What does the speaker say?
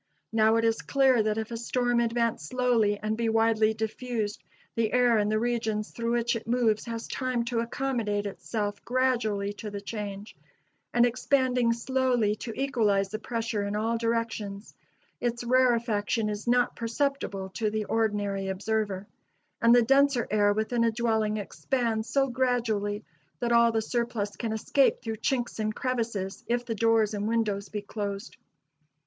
Now, it is clear that if a storm advance slowly, and be widely diffused, the air in the regions through which it moves has time to accommodate itself gradually to the change, and expanding slowly to equalize the pressure in all directions, its rarefaction is not perceptible to the ordinary observer: and the denser air within a dwelling expands so gradually that all the surplus can escape through chinks and crevices, if the doors and windows be closed.